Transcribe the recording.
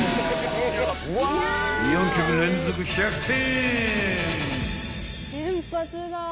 ［４曲連続１００点！］